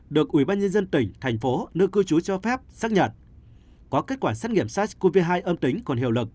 được ubnd tp hcm cho phép xác nhận có kết quả xét nghiệm sars cov hai âm tính còn hiệu lực